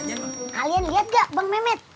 eh kalian lihat gak bang mehmet